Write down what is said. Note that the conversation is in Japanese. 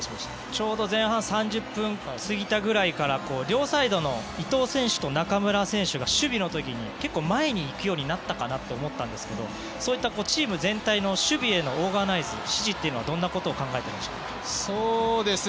ちょうど前半３０分過ぎたぐらいから両サイドの伊東選手と中村選手が守備の時に結構、前に行くようになったかなと思ったんですがそういったチーム全体の守備へのオーガナイズ指示はどう考えていましたか？